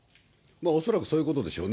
恐らくそういうことでしょうね。